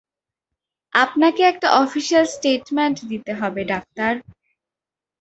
আপনাকে একটা official statement দিতে হবে, ডাক্তার।